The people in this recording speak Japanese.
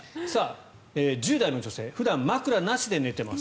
１０代の女性普段、枕なしで寝ています。